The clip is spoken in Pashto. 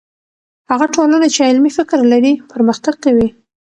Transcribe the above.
هغه ټولنه چې علمي فکر لري، پرمختګ کوي.